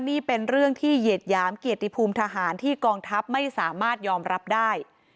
นี่เป็นเรื่องที่เหยียดหยามเกียรติภูมิทหารที่กองทัพไม่สามารถยอมรับได้